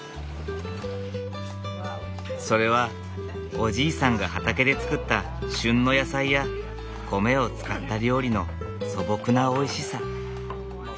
それはおじいさんが畑で作った旬の野菜や米を使った料理の素朴なおいしさ。